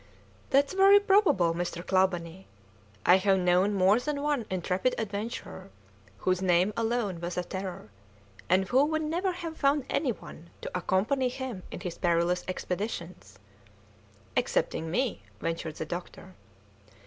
"That's very probable, Mr. Clawbonny. I have known more than one intrepid adventurer whose name alone was a terror, and who would never have found any one to accompany him in his perilous expeditions " "Excepting me," ventured the doctor.